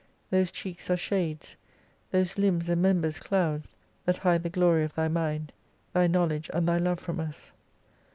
Those cheeks are shades, those limbs and members clouds, that hide the glory of Thy mind, Thy knowledge and Thy love from us.